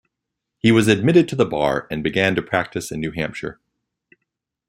He was admitted to the bar, and began to practice in New Hampshire.